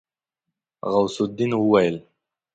غوث الدين وويل.